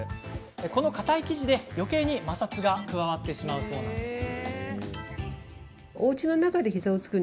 このかたい生地で、よけいに摩擦が加わってしまうそうです。